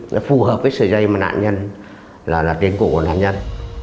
nó phù hợp với sợi dây mà nạn nhân là là tiến cổ của nạn nhân